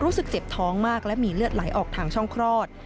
รู้สึกเจ็บท้องมากและมีเลือดไหลออกทางช่องคลอด